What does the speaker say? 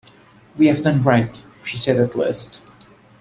“We have done right,” she said at last.